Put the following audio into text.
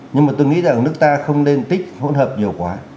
nhưng mà tôi nghĩ rằng nước ta không nên tích hỗn hợp nhiều quá